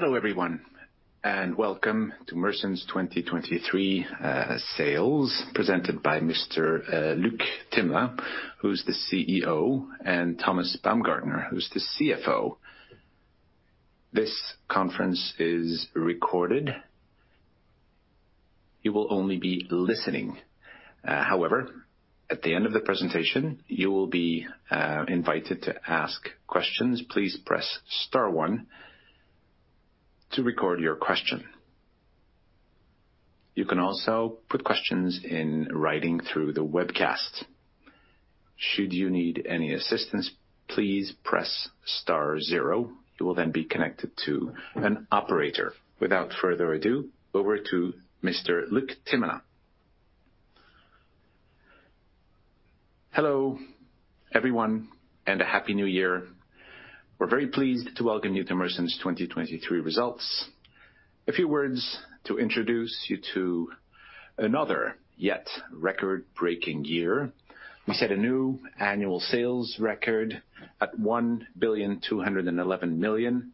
Hello, everyone, and welcome to Mersen's 2023 sales, presented by Mr. Luc Themelin, who's the CEO, and Thomas Baumgartner, who's the CFO. This conference is recorded. You will only be listening. However, at the end of the presentation, you will be invited to ask questions. Please press star one to record your question. You can also put questions in writing through the webcast. Should you need any assistance, please press star zero. You will then be connected to an operator. Without further ado, over to Mr. Luc Themelin. Hello, everyone, and a happy New Year. We're very pleased to welcome you to Mersen's 2023 results. A few words to introduce you to another yet record-breaking year. We set a new annual sales record at 1,211 million.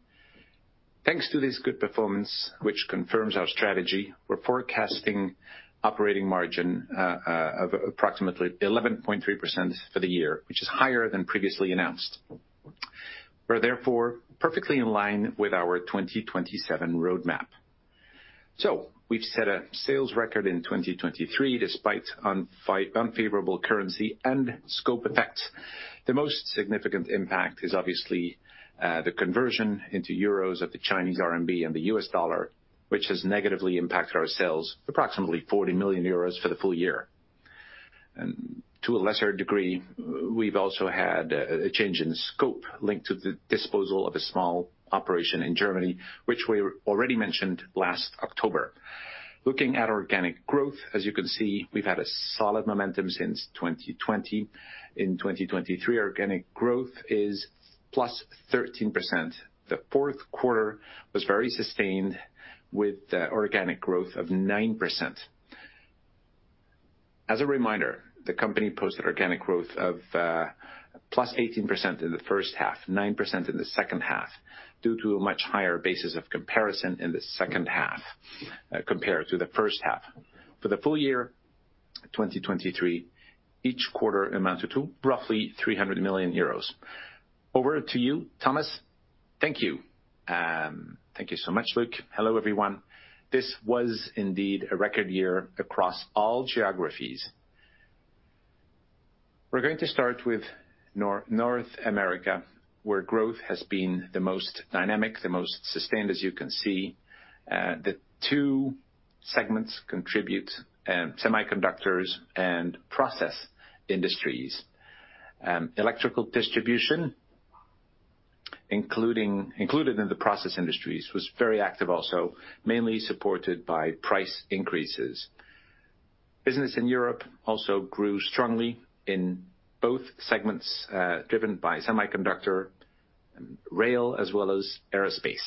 Thanks to this good performance, which confirms our strategy, we're forecasting operating margin of approximately 11.3% for the year, which is higher than previously announced. We're therefore perfectly in line with our 2027 roadmap. So we've set a sales record in 2023, despite unfavorable currency and scope effects. The most significant impact is obviously the conversion into euros of the Chinese RMB and the US dollar, which has negatively impacted our sales, approximately 40 million euros for the full year. And to a lesser degree, we've also had a change in scope linked to the disposal of a small operation in Germany, which we already mentioned last October. Looking at organic growth, as you can see, we've had a solid momentum since 2020. In 2023, organic growth is +13%. The fourth quarter was very sustained, with organic growth of 9%. As a reminder, the company posted organic growth of +18% in the first half, 9% in the second half, due to a much higher basis of comparison in the second half compared to the first half. For the full year, 2023, each quarter amounted to roughly 300 million euros. Over to you, Thomas. Thank you. Thank you so much, Luc. Hello, everyone. This was indeed a record year across all geographies. We're going to start with North America, where growth has been the most dynamic, the most sustained, as you can see. The two segments contribute semiconductors and process industries. Electrical distribution, included in the process industries, was very active also, mainly supported by price increases. Business in Europe also grew strongly in both segments, driven by semiconductor, rail, as well as aerospace.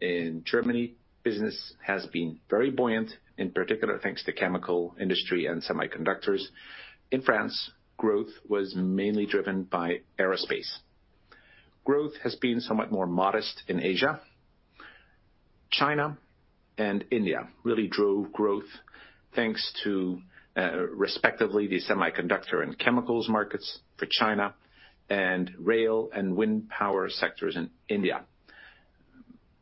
In Germany, business has been very buoyant, in particular, thanks to chemical industry and semiconductors. In France, growth was mainly driven by aerospace. Growth has been somewhat more modest in Asia. China and India really drove growth, thanks to, respectively, the semiconductor and chemicals markets for China and rail and wind power sectors in India.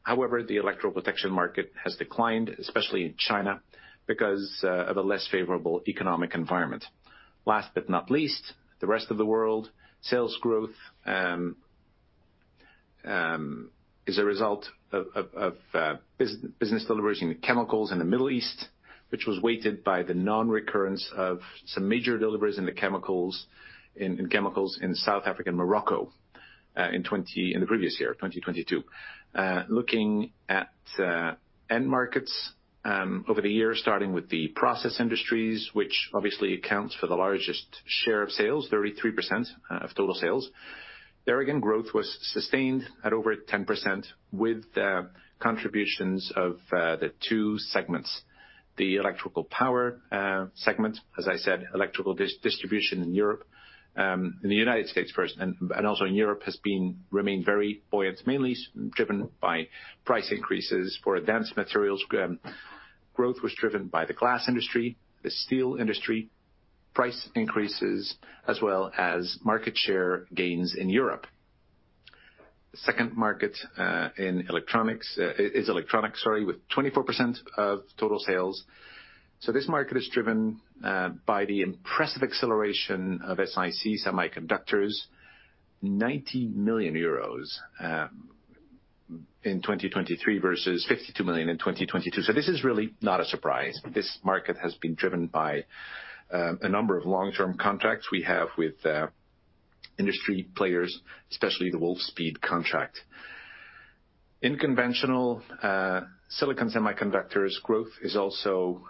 However, the electrical protection market has declined, especially in China, because, of a less favorable economic environment. Last but not least, the rest of the world, sales growth is a result of business deliveries in the chemicals in the Middle East, which was weighted by the non-recurrence of some major deliveries in the chemicals in South Africa and Morocco, in the previous year, 2022. Looking at end markets over the years, starting with the process industries, which obviously accounts for the largest share of sales, 33% of total sales. There, again, growth was sustained at over 10%, with the contributions of the two segments. The electrical power segment, as I said, electrical distribution in Europe, in the United States first, and also in Europe, remained very buoyant, mainly driven by price increases for advanced materials. Growth was driven by the glass industry, the steel industry, price increases, as well as market share gains in Europe. The second market in electronics is electronics, sorry, with 24% of total sales. This market is driven by the impressive acceleration of SiC semiconductors, 90 million euros in 2023 versus 52 million in 2022. This is really not a surprise. This market has been driven by a number of long-term contracts we have with industry players, especially the Wolfspeed contract. In conventional silicon semiconductors, growth is also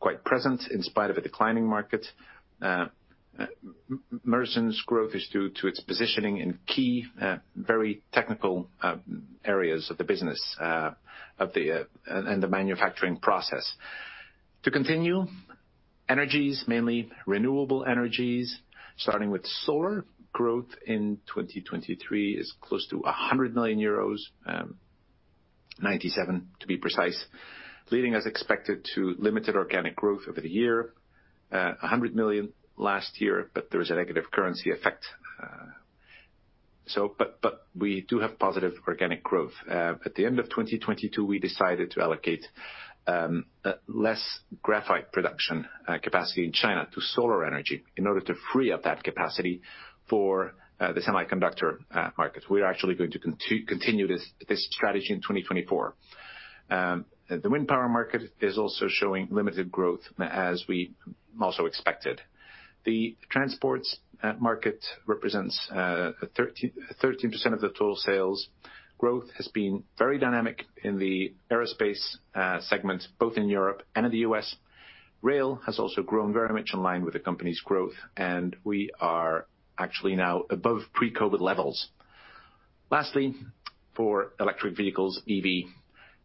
quite present in spite of a declining market. Mersen's growth is due to its positioning in key very technical areas of the business and the manufacturing process.... To continue, energies, mainly renewable energies, starting with solar, growth in 2023 is close to 100 million euros, 97 to be precise, leading as expected to limited organic growth over the year. A hundred million last year, but there is a negative currency effect. So but, but we do have positive organic growth. At the end of 2022, we decided to allocate less graphite production capacity in China to solar energy in order to free up that capacity for the semiconductor market. We're actually going to continue this strategy in 2024. The wind power market is also showing limited growth, as we also expected. The transports market represents 13% of the total sales. Growth has been very dynamic in the aerospace segment, both in Europe and in the U.S. Rail has also grown very much in line with the company's growth, and we are actually now above pre-COVID levels. Lastly, for electric vehicles, EV,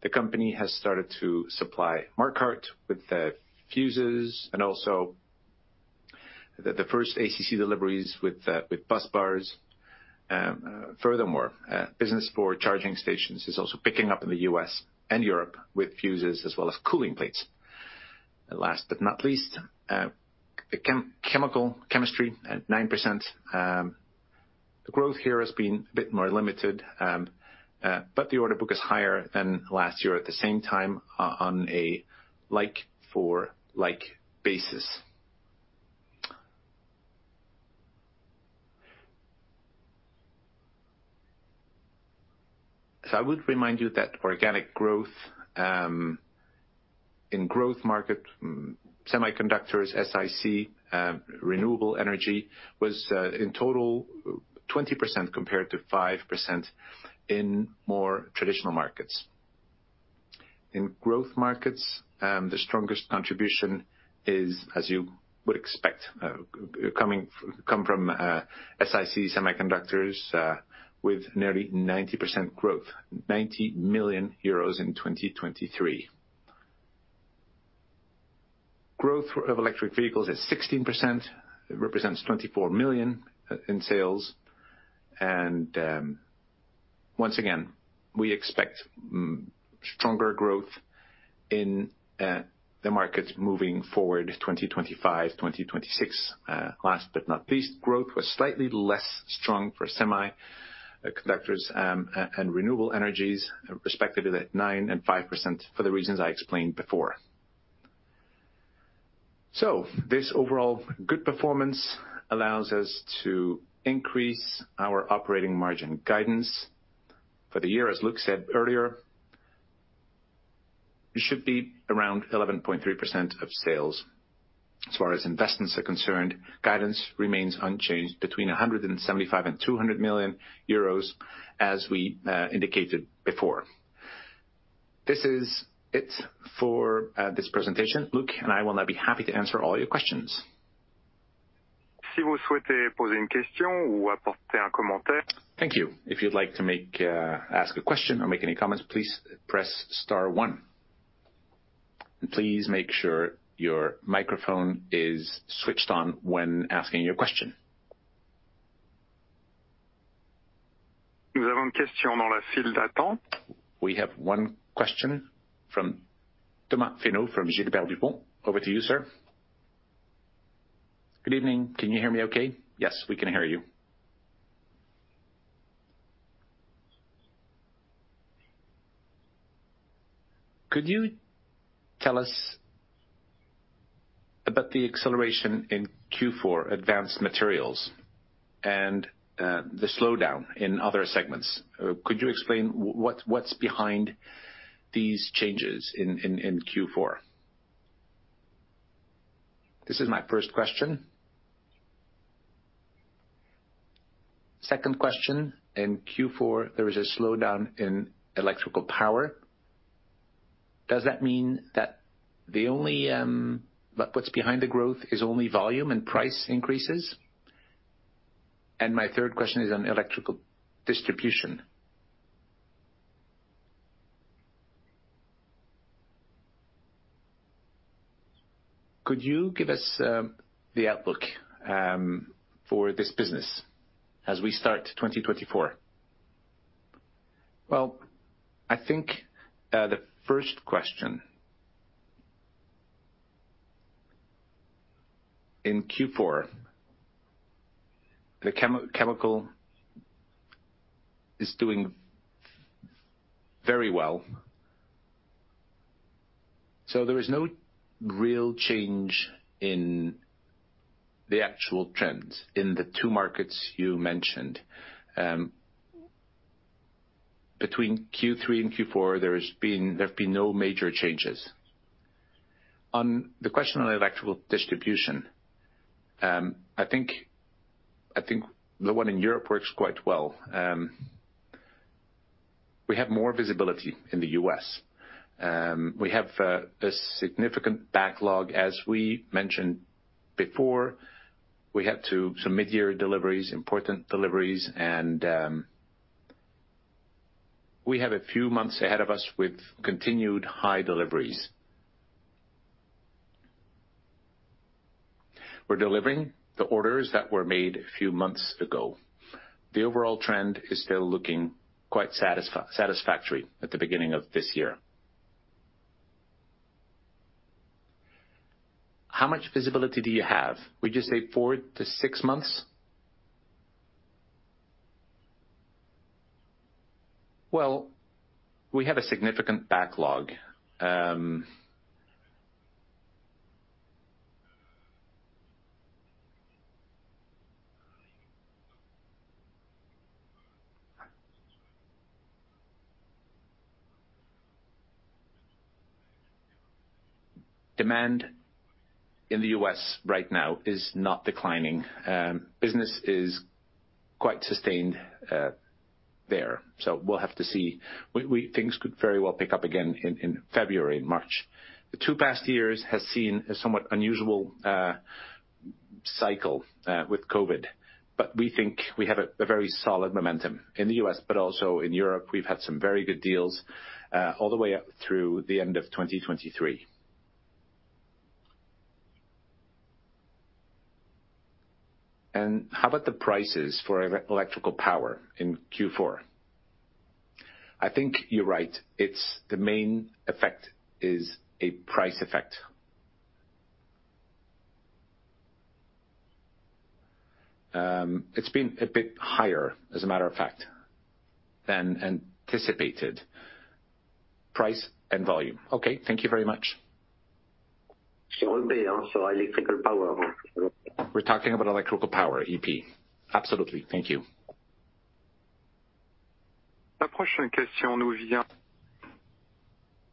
the company has started to supply Marquardt with the fuses and also the first ACC deliveries with busbars. Furthermore, business for charging stations is also picking up in the US and Europe, with fuses as well as cooling plates. Last but not least, chemicals at 9%. The growth here has been a bit more limited, but the order book is higher than last year at the same time on a like for like basis. So I would remind you that organic growth in growth market, semiconductors, SiC, renewable energy, was in total, 20%, compared to 5% in more traditional markets. In growth markets, the strongest contribution is, as you would expect, coming from SiC semiconductors, with nearly 90% growth, 90 million euros in 2023. Growth of electric vehicles is 16%. It represents 24 million in sales, and once again, we expect stronger growth in the market moving forward, 2025, 2026. Last but not least, growth was slightly less strong for semiconductors and renewable energies, respectively at 9% and 5% for the reasons I explained before. So this overall good performance allows us to increase our operating margin guidance for the year. As Luke said earlier, it should be around 11.3% of sales. As far as investments are concerned, guidance remains unchanged between 175 million and 200 million euros, as we indicated before. This is it for this presentation. Luc and I will now be happy to answer all your questions. Thank you. If you'd like to ask a question or make any comments, please press star one. Please make sure your microphone is switched on when asking your question. We have one question from Sandrine Cauvin from Gilbert Dupont. Over to you, sir. Good evening. Can you hear me okay? Yes, we can hear you. Could you tell us about the acceleration in Q4, advanced materials and the slowdown in other segments? Could you explain what's behind these changes in Q4? This is my first question. Second question: In Q4, there was a slowdown in electrical power. Does that mean that the only what's behind the growth is only volume and price increases? And my third question is on electrical distribution. Could you give us the outlook for this business as we start 2024? Well, I think the first question... In Q4, the chemical is doing very well, so there is no real change in the actual trends in the two markets you mentioned. Between Q3 and Q4, there have been no major changes. On the question on electrical distribution, I think the one in Europe works quite well. We have more visibility in the U.S. We have a significant backlog, as we mentioned before. We had to submit year deliveries, important deliveries, and... We have a few months ahead of us with continued high deliveries. We're delivering the orders that were made a few months ago. The overall trend is still looking quite satisfactory at the beginning of this year. How much visibility do you have? Would you say four to six months? Well, we have a significant backlog. Demand in the U.S. right now is not declining. Business is quite sustained there, so we'll have to see. We things could very well pick up again in February, March. The two past years has seen a somewhat unusual cycle with COVID, but we think we have a very solid momentum in the U.S., but also in Europe. We've had some very good deals all the way up through the end of 2023. And how about the prices for electrical power in Q4? I think you're right. It's the main effect is a price effect. It's been a bit higher, as a matter of fact, than anticipated. Price and volume. Okay, thank you very much. Sur EP, on electrical power. We're talking about electrical power, EP. Absolutely. Thank you.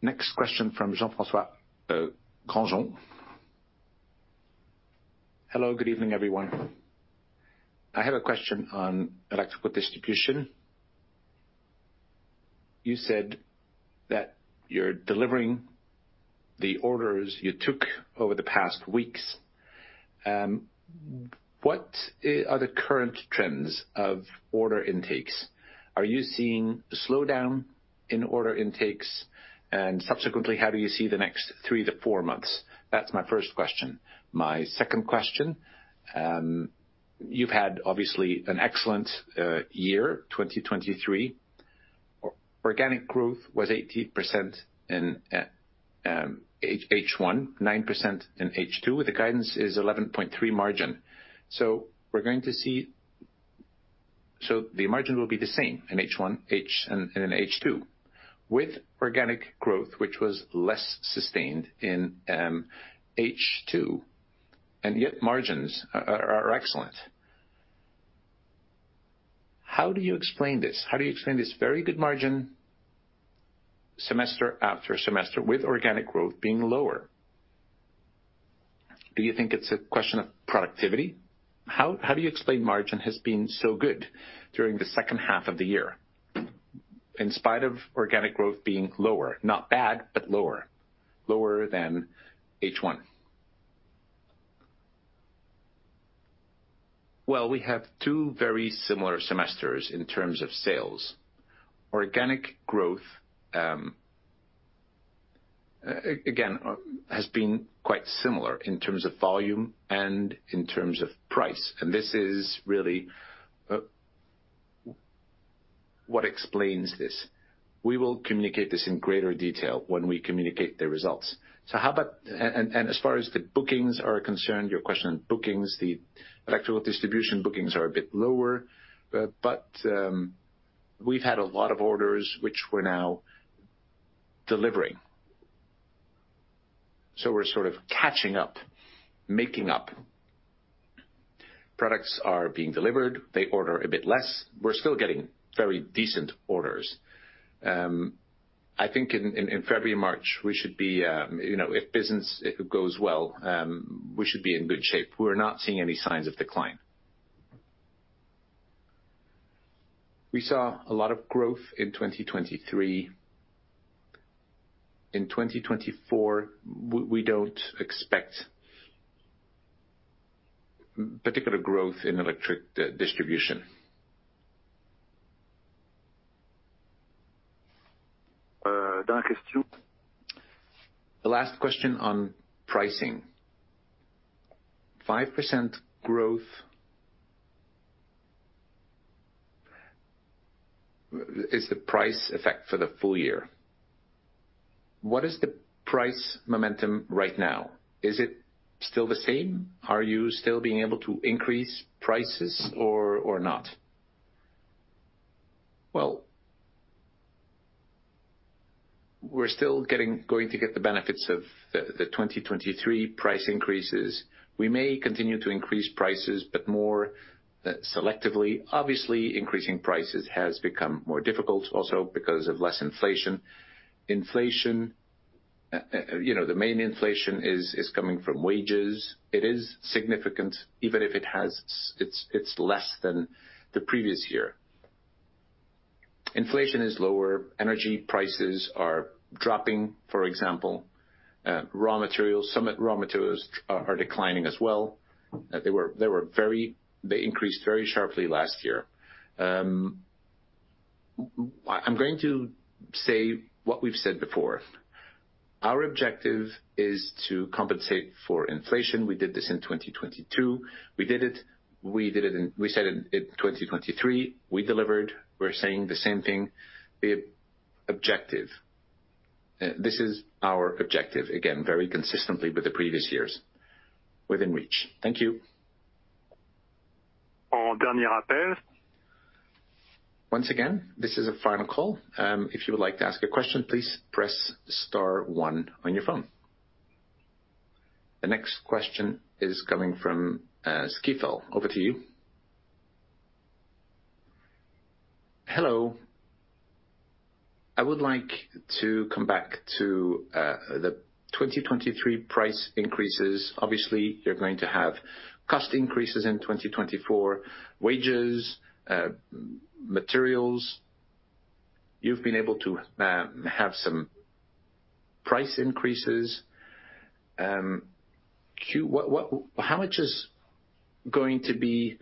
Next question from Jean-François Granjon. Hello, good evening, everyone. I have a question on electrical distribution. You said that you're delivering the orders you took over the past weeks. What are the current trends of order intakes? Are you seeing a slowdown in order intakes? And subsequently, how do you see the next three to four months? That's my first question. My second question, you've had obviously an excellent year, 2023. Organic growth was 80% in H1, 9% in H2. The guidance is 11.3% margin. So we're going to see— So the margin will be the same in H1, H, and in H2, with organic growth, which was less sustained in H2, and yet margins are, are excellent. How do you explain this? How do you explain this very good margin semester after semester with organic growth being lower? Do you think it's a question of productivity? How, how do you explain margin has been so good during the second half of the year, in spite of organic growth being lower? Not bad, but lower, lower than H1. Well, we have two very similar semesters in terms of sales. Organic growth, again, has been quite similar in terms of volume and in terms of price, and this is really what explains this. We will communicate this in greater detail when we communicate the results. So how about... As far as the bookings are concerned, your question on bookings, the electrical distribution bookings are a bit lower, but we've had a lot of orders which we're now delivering. So we're sort of catching up, making up. Products are being delivered. They order a bit less. We're still getting very decent orders. I think in February, March, we should be... You know, if business goes well, we should be in good shape. We're not seeing any signs of decline. We saw a lot of growth in 2023. In 2024, we don't expect particular growth in electric distribution. Next question. The last question on pricing. 5% growth is the price effect for the full year. What is the price momentum right now? Is it still the same? Are you still being able to increase prices or not? Well, we're still going to get the benefits of the 2023 price increases. We may continue to increase prices, but more selectively. Obviously, increasing prices has become more difficult also because of less inflation. Inflation, you know, the main inflation is coming from wages. It is significant, even if it is less than the previous year. Inflation is lower. Energy prices are dropping, for example. Raw materials, some raw materials are declining as well. They were very-- They increased very sharply last year. I'm going to say what we've said before. Our objective is to compensate for inflation. We did this in 2022. We did it in-- We said it in 2023, we delivered. We're saying the same thing. The objective, this is our objective, again, very consistently with the previous years, within reach. Thank you. Once again, this is a final call. If you would like to ask a question, please press star one on your phone. The next question is coming from, Skifel. Over to you. Hello. I would like to come back to the 2023 price increases. Obviously, you're going to have cost increases in 2024, wages, materials. You've been able to have some price increases. What, what-- how much is going to be...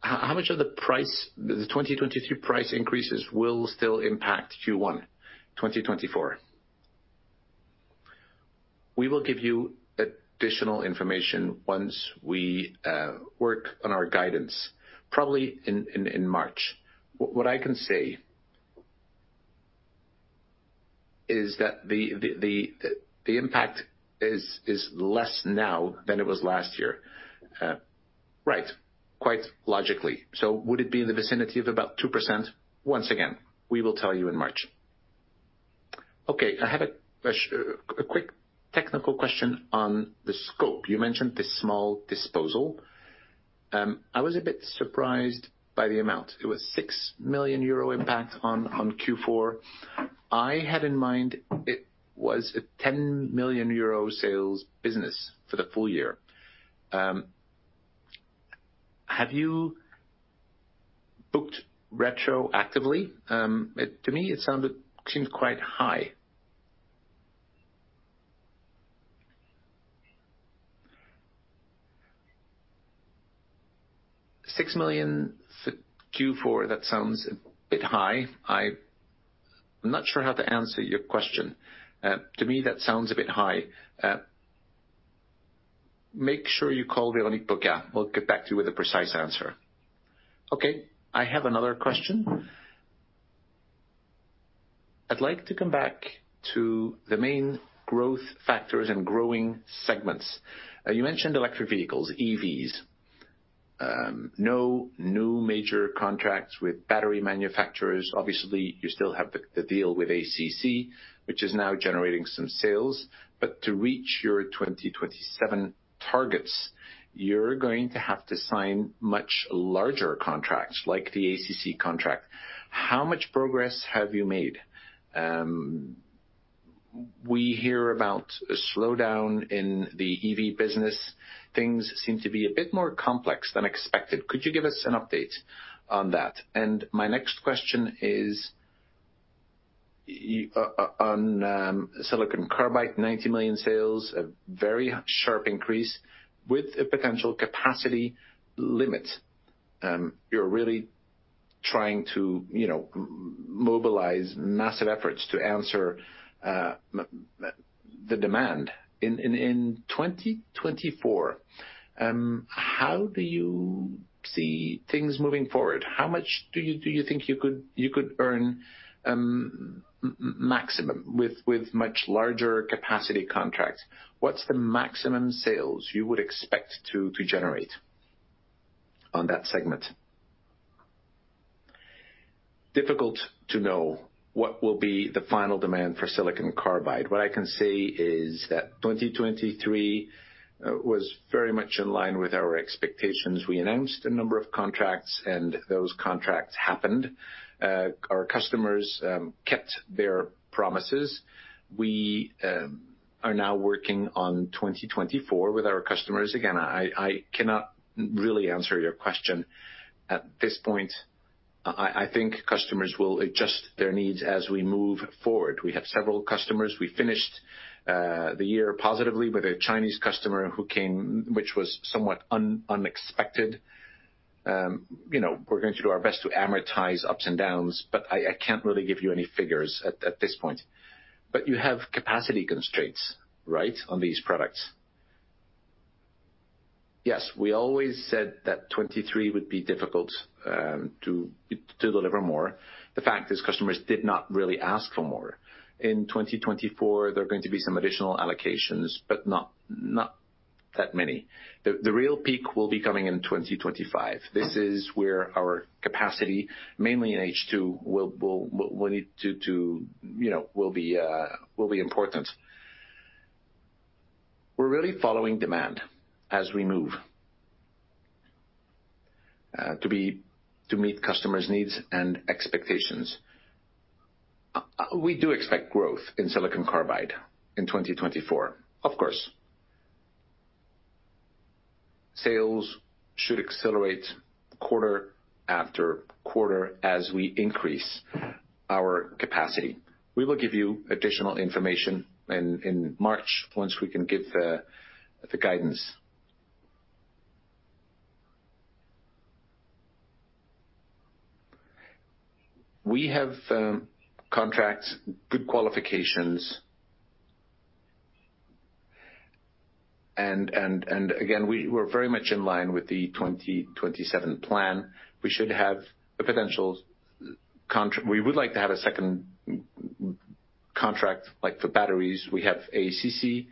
How, how much of the price, the 2023 price increases will still impact Q1 2024? We will give you additional information once we work on our guidance, probably in March. What I can say is that the impact is less now than it was last year. Right, quite logically. So would it be in the vicinity of about 2%? Once again, we will tell you in March. Okay, I have a quick technical question on the scope. You mentioned this small disposal. I was a bit surprised by the amount. It was 6 million euro impact on Q4. I had in mind it was a 10 million euro sales business for the full year. Have you booked retroactively? To me, it sounded, seemed quite high. 6 million for Q4, that sounds a bit high. I'm not sure how to answer your question. To me, that sounds a bit high. Make sure you call Véronique Boca. We'll get back to you with a precise answer. Okay, I have another question. I'd like to come back to the main growth factors and growing segments. You mentioned electric vehicles, EVs. No new major contracts with battery manufacturers. Obviously, you still have the deal with ACC, which is now generating some sales. But to reach your 2027 targets, you're going to have to sign much larger contracts, like the ACC contract. How much progress have you made? We hear about a slowdown in the EV business. Things seem to be a bit more complex than expected. Could you give us an update on that? And my next question is on silicon carbide, 90 million sales, a very sharp increase with a potential capacity limit. You're really trying to, you know, mobilize massive efforts to answer the demand. In 2024, how do you see things moving forward? How much do you think you could earn maximum, with much larger capacity contracts? What's the maximum sales you would expect to generate on that segment? Difficult to know what will be the final demand for silicon carbide. What I can say is that 2023 was very much in line with our expectations. We announced a number of contracts, and those contracts happened. Our customers kept their promises. We are now working on 2024 with our customers. Again, I cannot really answer your question at this point. I think customers will adjust their needs as we move forward. We have several customers. We finished the year positively with a Chinese customer who came, which was somewhat unexpected. You know, we're going to do our best to amortize ups and downs, but I can't really give you any figures at this point. But you have capacity constraints, right, on these products? Yes, we always said that 2023 would be difficult to deliver more. The fact is, customers did not really ask for more. In 2024, there are going to be some additional allocations, but not that many. The real peak will be coming in 2025. This is where our capacity, mainly in H2, you know, will be important. We're really following demand as we move to meet customers' needs and expectations. We do expect growth in silicon carbide in 2024, of course. Sales should accelerate quarter after quarter as we increase our capacity. We will give you additional information in March, once we can give the guidance. We have contracts, good qualifications. And again, we're very much in line with the 2027 plan. We would like to have a second contract, like for batteries, we have ACC.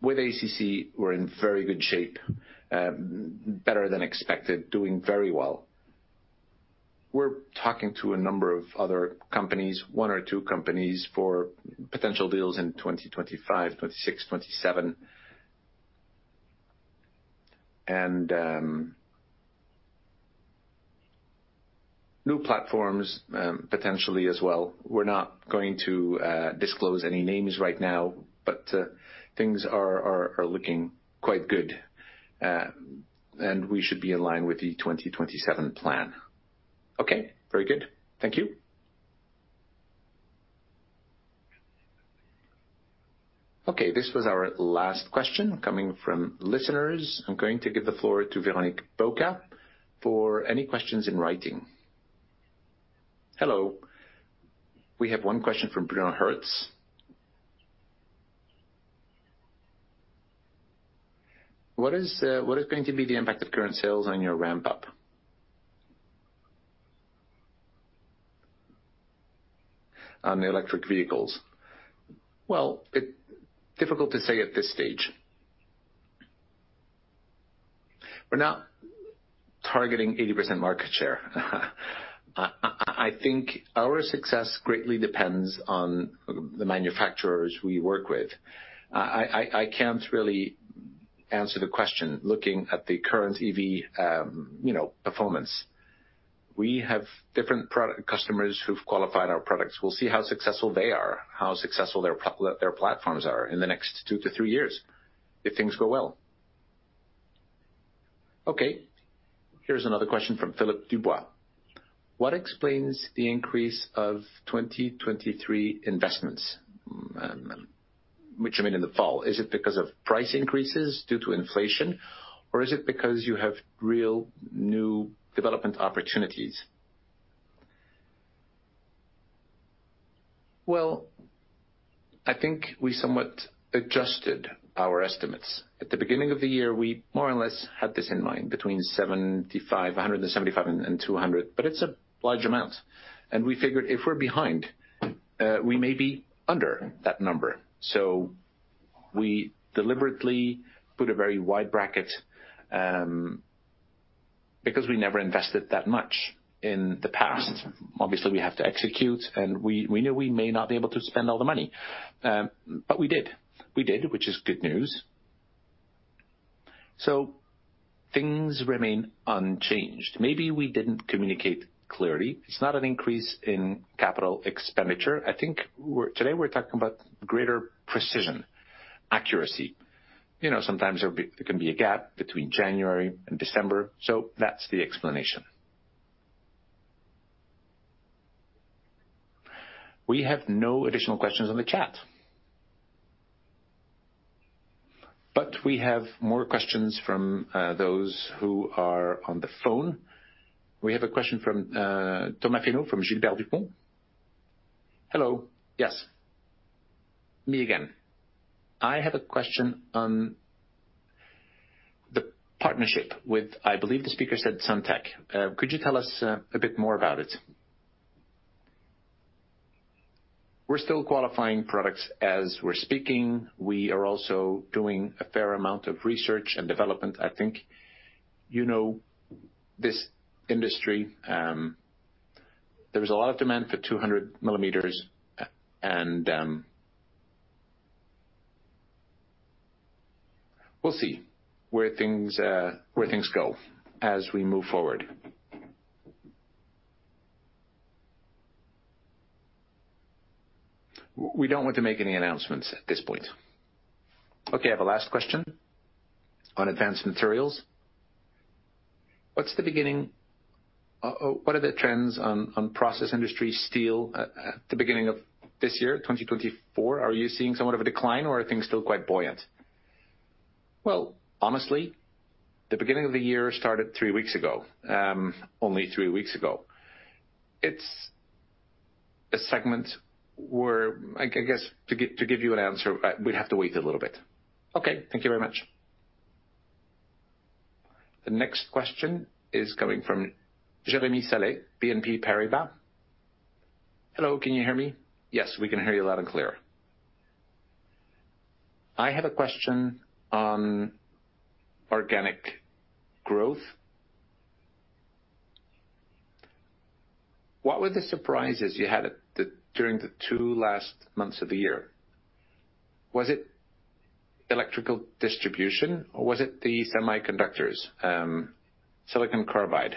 With ACC, we're in very good shape, better than expected, doing very well. We're talking to a number of other companies, one or two companies, for potential deals in 2025, 2026, 2027. And new platforms, potentially as well. We're not going to disclose any names right now, but things are looking quite good. And we should be in line with the 2027 plan. Okay, very good. Thank you. Okay, this was our last question coming from listeners. I'm going to give the floor to Véronique Boca for any questions in writing. Hello, we have one question from Bruno Hertz. "What is going to be the impact of current sales on your ramp-up? On the electric vehicles? Well, it's difficult to say at this stage. We're not targeting 80% market share. I think our success greatly depends on the manufacturers we work with. I can't really answer the question, looking at the current EV, you know, performance. We have different product customers who've qualified our products. We'll see how successful they are, how successful their platforms are in the next two to three years, if things go well. Okay, here's another question from Philip Dubois: "What explains the increase of 2023 investments, which you made in the fall? Is it because of price increases due to inflation, or is it because you have real new development opportunities?" Well, I think we somewhat adjusted our estimates. At the beginning of the year, we more or less had this in mind, between 75, 175 and 200, but it's a large amount, and we figured if we're behind, we may be under that number. So we deliberately put a very wide bracket, because we never invested that much in the past. Obviously, we have to execute, and we knew we may not be able to spend all the money, but we did. We did, which is good news. So things remain unchanged. Maybe we didn't communicate clearly. It's not an increase in capital expenditure. I think today we're talking about greater precision, accuracy. You know, sometimes there can be a gap between January and December, so that's the explanation. We have no additional questions on the chat. But we have more questions from those who are on the phone. We have a question from Thomas Fenot from Gilbert Dupont. Hello. Yes, me again. I have a question on the partnership with, I believe the speaker said Soitec. Could you tell us a bit more about it? We're still qualifying products as we're speaking. We are also doing a fair amount of research and development. I think, you know, this industry, there's a lot of demand for 200 millimeters, and we'll see where things go as we move forward. We don't want to make any announcements at this point. Okay, I have a last question on advanced materials. What's the beginning... what are the trends on process industry steel at the beginning of this year, 2024? Are you seeing somewhat of a decline or are things still quite buoyant? Well, honestly, the beginning of the year started three weeks ago, only three weeks ago. It's a segment where I, I guess, to give, to give you an answer, we'd have to wait a little bit. Okay, thank you very much. The next question is coming from Jérémy Sallé, BNP Paribas. Hello, can you hear me? Yes, we can hear you loud and clear. I have a question on organic growth. What were the surprises you had during the two last months of the year? Was it electrical distribution or was it the semiconductors, silicon carbide?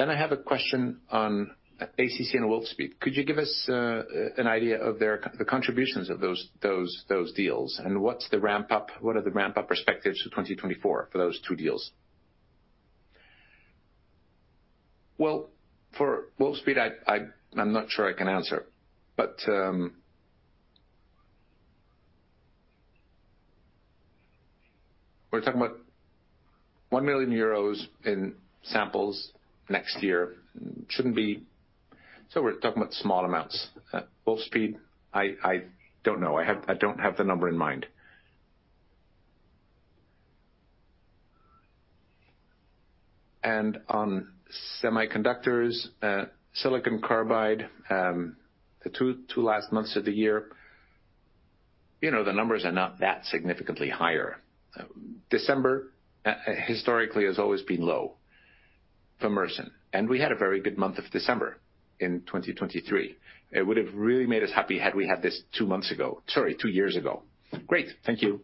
Then I have a question on ACC and Wolfspeed. Could you give us an idea of their, the contributions of those deals? What's the ramp up-- What are the ramp-up perspectives for 2024 for those two deals? Well, for Wolfspeed, I'm not sure I can answer, but, we're talking about 1 million euros in samples next year. Shouldn't be... So we're talking about small amounts. Wolfspeed, I don't know. I don't have the number in mind. And on semiconductors, silicon carbide, the two last months of the year, you know, the numbers are not that significantly higher. December, historically, has always been low for Mersen, and we had a very good month of December in 2023. It would have really made us happy had we had this two months ago-- sorry, two years ago. Great. Thank you.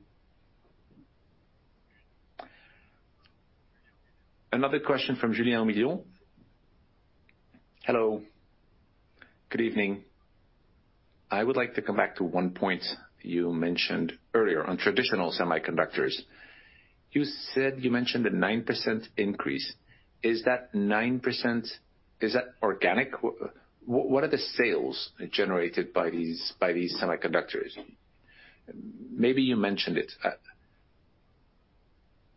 Another question from Julien Onillon. Hello. Good evening. I would like to come back to one point you mentioned earlier on traditional semiconductors. You said you mentioned a 9% increase. Is that 9%, is that organic? What are the sales generated by these, by these semiconductors? Maybe you mentioned it.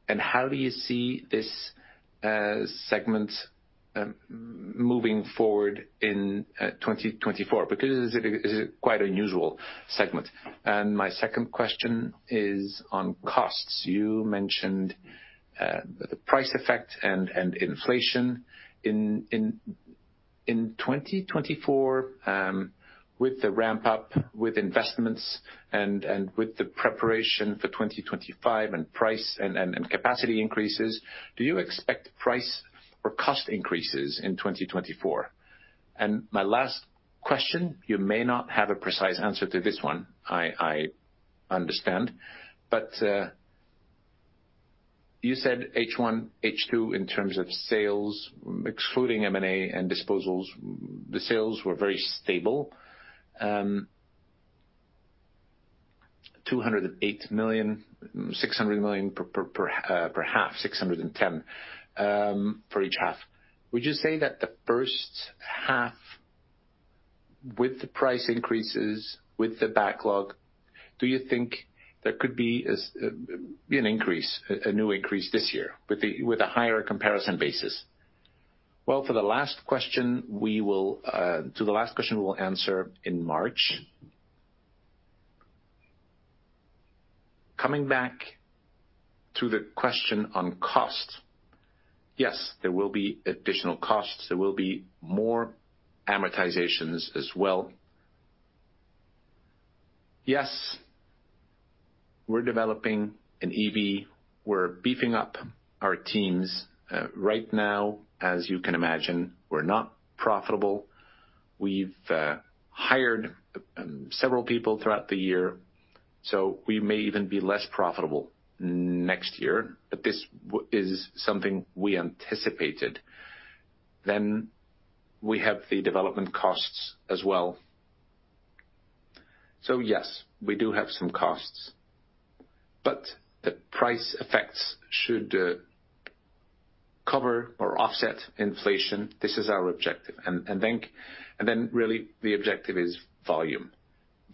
And how do you see this segment moving forward in 2024? Because it is, it is quite unusual segment. And my second question is on costs. You mentioned the price effect and inflation. In 2024, with the ramp up, with investments and with the preparation for 2025 and price and capacity increases, do you expect price or cost increases in 2024? My last question, you may not have a precise answer to this one, I understand, but you said H1, H2, in terms of sales, excluding M&A and disposals, the sales were very stable. Two hundred and eight million, six hundred million per half, six hundred and ten for each half. Would you say that the first half, with the price increases, with the backlog, do you think there could be an increase, a new increase this year with a higher comparison basis? Well, for the last question, we will answer in March. Coming back to the question on cost, yes, there will be additional costs. There will be more amortizations as well. Yes, we're developing an EV. We're beefing up our teams. Right now, as you can imagine, we're not profitable. We've hired several people throughout the year, so we may even be less profitable next year, but this is something we anticipated. Then we have the development costs as well. So yes, we do have some costs, but the price effects should cover or offset inflation. This is our objective. Really the objective is volume.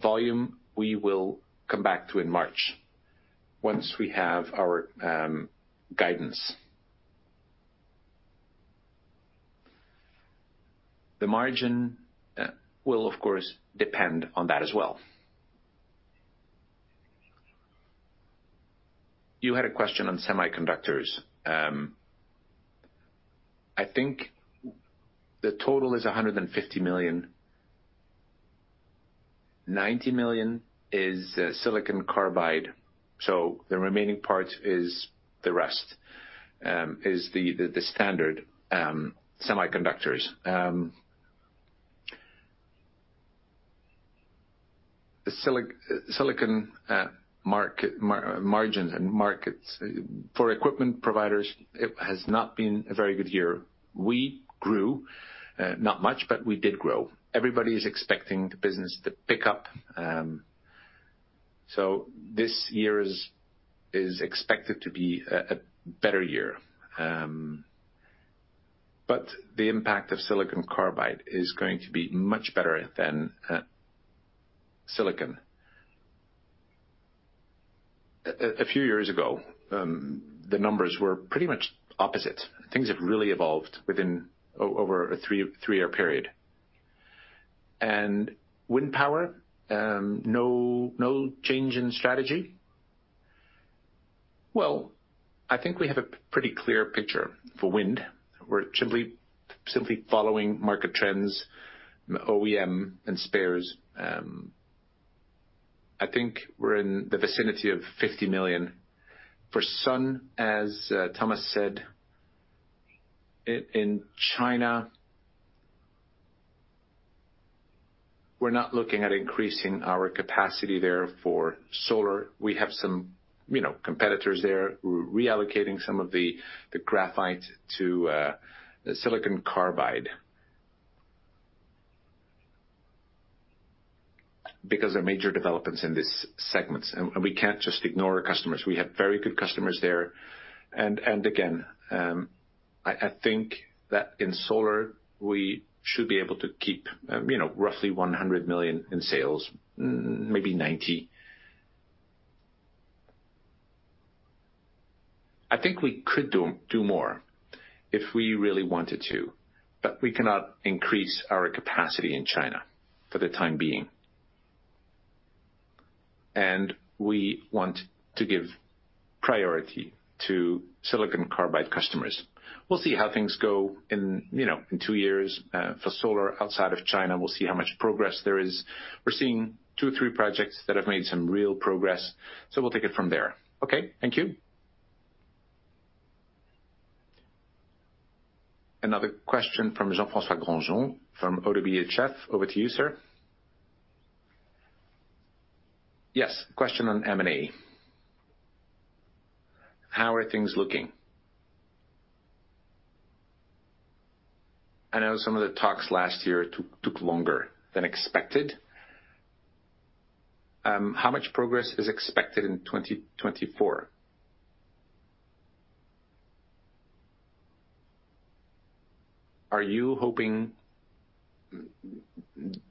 Volume, we will come back to in March once we have our guidance. The margin will, of course, depend on that as well. You had a question on semiconductors. I think the total is 150 million. 90 million is the silicon carbide, so the remaining part is the rest is the standard semiconductors. The silicon market, margins and markets for equipment providers, it has not been a very good year. We grew, not much, but we did grow. Everybody is expecting the business to pick up, so this year is expected to be a better year. But the impact of silicon carbide is going to be much better than silicon. A few years ago, the numbers were pretty much opposite. Things have really evolved over a three-year period. And wind power, no change in strategy? Well, I think we have a pretty clear picture for wind. We're simply following market trends, OEM and spares. I think we're in the vicinity of 50 million. For solar, as Thomas said, in China... We're not looking at increasing our capacity there for solar. We have some, you know, competitors there who are reallocating some of the graphite to silicon carbide. Because there are major developments in these segments, and we can't just ignore our customers. We have very good customers there, and again, I think that in solar, we should be able to keep, you know, roughly 100 million in sales, maybe 90 million. I think we could do more if we really wanted to, but we cannot increase our capacity in China for the time being. And we want to give priority to silicon carbide customers. We'll see how things go in, you know, in two years, for solar outside of China, we'll see how much progress there is. We're seeing two or projects that have made some real progress, so we'll take it from there. Okay, thank you. Another question from Jean-François Granjon from Oddo BHF. Over to you, sir. Yes, question on M&A. How are things looking? I know some of the talks last year took longer than expected. How much progress is expected in 2024? Are you hoping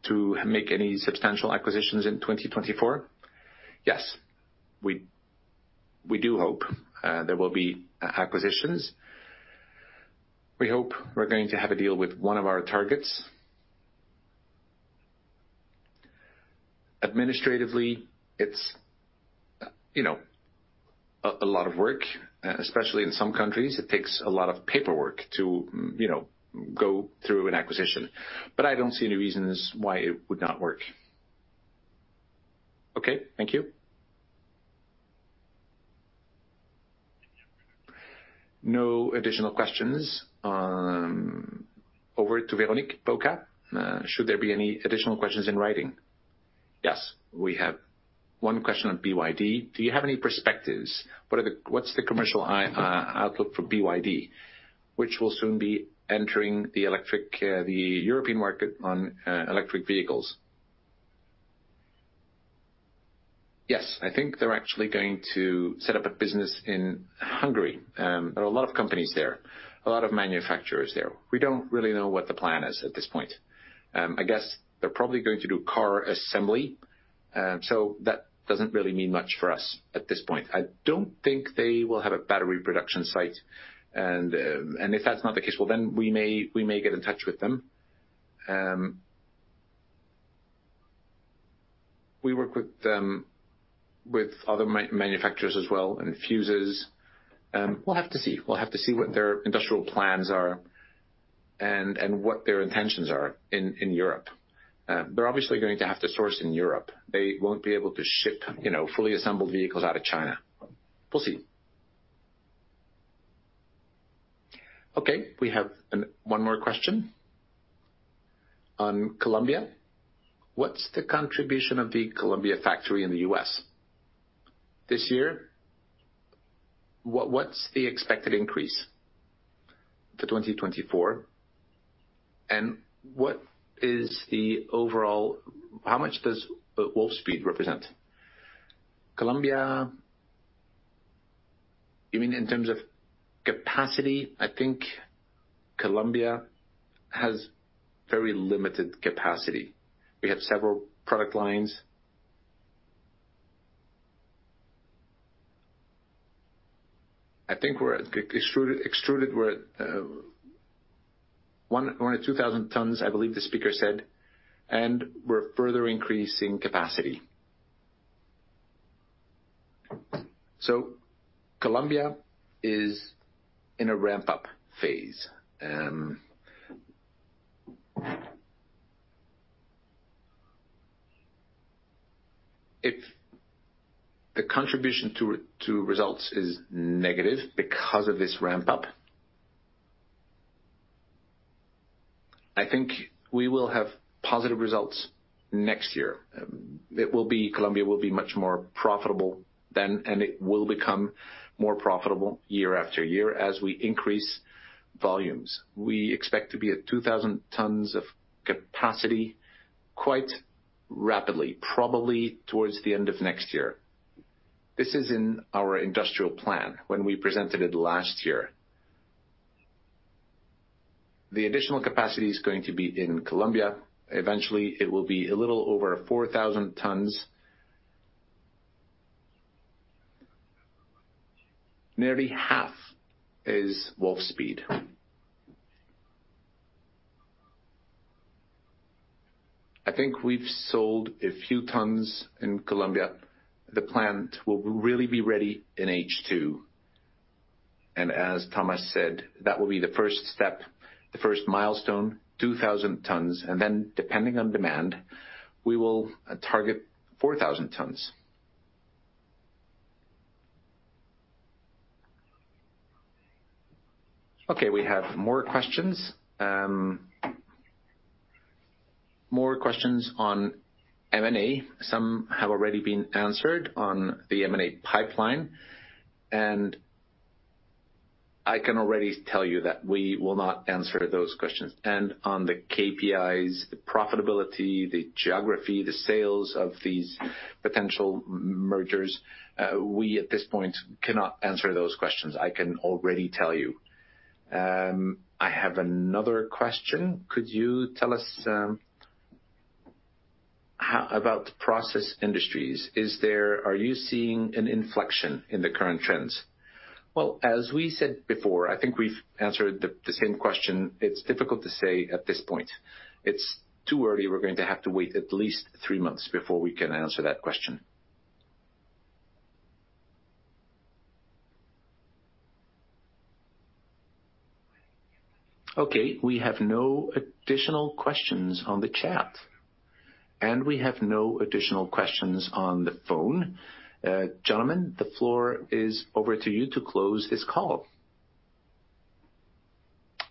to make any substantial acquisitions in 2024? Yes. We do hope there will be acquisitions. We hope we're going to have a deal with one of our targets. Administratively, it's you know, a lot of work, especially in some countries. It takes a lot of paperwork to you know, go through an acquisition, but I don't see any reasons why it would not work. Okay, thank you. No additional questions. Over to Véronique Boca, should there be any additional questions in writing? Yes. We have one question on BYD. Do you have any perspectives? What are the-- what's the commercial outlook for BYD, which will soon be entering the electric, the European market on electric vehicles? Yes, I think they're actually going to set up a business in Hungary. There are a lot of companies there, a lot of manufacturers there. We don't really know what the plan is at this point. I guess they're probably going to do car assembly, so that doesn't really mean much for us at this point. I don't think they will have a battery production site, and, and if that's not the case, well, then we may, we may get in touch with them. We work with, with other manufacturers as well, and fuses, we'll have to see. We'll have to see what their industrial plans are and, and what their intentions are in, in Europe. They're obviously going to have to source in Europe. They won't be able to ship, you know, fully assembled vehicles out of China. We'll see. Okay, we have one more question on Columbia. What's the contribution of the Columbia factory in the U.S.? This year, what's the expected increase to 2024, and what is the overall... How much does Wolfspeed represent? Columbia, you mean in terms of capacity? I think Columbia has very limited capacity. We have several product lines. I think we're at extruded, we're at 1,000 or 2,000 tons, I believe the speaker said, and we're further increasing capacity. So Columbia is in a ramp-up phase. If the contribution to results is negative because of this ramp up, I think we will have positive results next year. Columbia will be much more profitable then, and it will become more profitable year after year as we increase volumes. We expect to be at 2,000 tons of capacity quite rapidly, probably towards the end of next year. This is in our industrial plan when we presented it last year. The additional capacity is going to be in Columbia. Eventually, it will be a little over 4,000 tons. Nearly half is Wolfspeed. I think we've sold a few tons in Columbia. The plant will really be ready in H2, and as Thomas said, that will be the first step, the first milestone, 2,000 tons, and then, depending on demand, we will target 4,000 tons. Okay, we have more questions. More questions on M&A. Some have already been answered on the M&A pipeline, and I can already tell you that we will not answer those questions. And on the KPIs, the profitability, the geography, the sales of these potential mergers, we, at this point, cannot answer those questions, I can already tell you. I have another question: Could you tell us about the process industries, are you seeing an inflection in the current trends? Well, as we said before, I think we've answered the same question. It's difficult to say at this point. It's too early. We're going to have to wait at least three months before we can answer that question. Okay, we have no additional questions on the chat, and we have no additional questions on the phone. Gentlemen, the floor is over to you to close this call.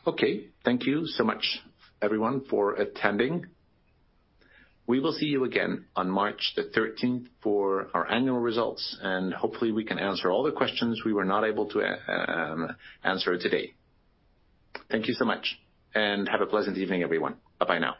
Okay, thank you so much, everyone, for attending. We will see you again on March the thirteenth for our annual results, and hopefully, we can answer all the questions we were not able to answer today. Thank you so much, and have a pleasant evening, everyone. Bye now.